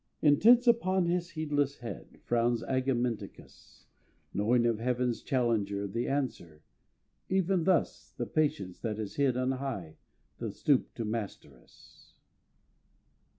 Intense upon his heedless head Frowns Agamenticus, Knowing of Heaven's challenger The answer: even thus The Patience that is hid on high Doth stoop to master us.